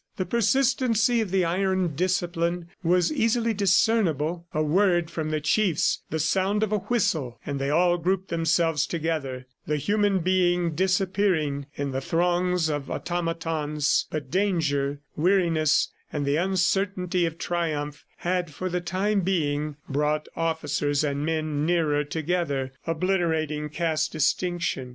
The persistency of the iron discipline was easily discernible. A word from the chiefs, the sound of a whistle, and they all grouped themselves together, the human being disappearing in the throngs of automatons; but danger, weariness, and the uncertainty of triumph had for the time being brought officers and men nearer together, obliterating caste distinction.